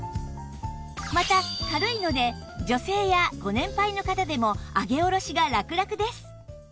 また軽いので女性やご年配の方でも上げ下ろしがラクラクです